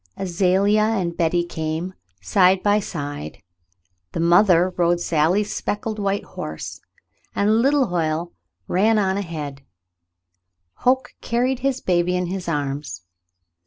Azalea and Betty came, side by side, the mother rode Sally's speckled white horse, and little Hoyle ran on ahead; Hoke carried his baby in his arms.